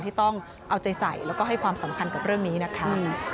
ที่ต้องเอาใจใส่แล้วก็ให้ความสำคัญกับเรื่องนี้นะคะ